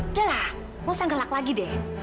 udahlah musang gelak lagi deh